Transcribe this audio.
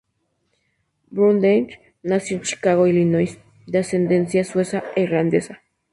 Brundage nació en Chicago, Illinois, de ascendencia sueca e irlandesa.